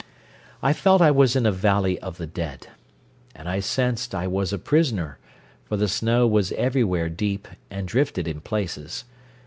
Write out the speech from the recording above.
I felt I was in a valley of the dead. And I sensed I was a prisoner, for the snow was everywhere deep, and drifted in places.